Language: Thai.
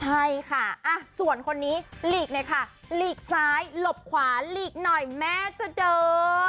ใช่ค่ะส่วนคนนี้หลีกหน่อยค่ะหลีกซ้ายหลบขวาหลีกหน่อยแม่จะเดิน